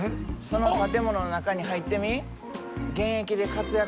その建物の中に入ってみ？